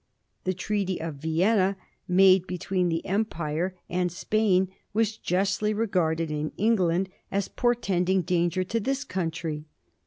The Treaty of Vienna, made between the Empire and Spain, was justly regarded in England as portending danger to this country.